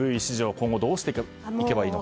今後どうしていけばいいのか。